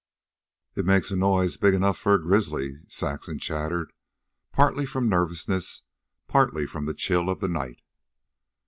"It makes a noise big enough for a grizzly," Saxon chattered, partly from nervousness, partly from the chill of the night.